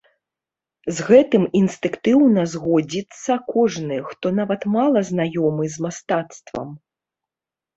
З гэтым інстынктыўна згодзіцца кожны, хто нават мала знаёмы з мастацтвам.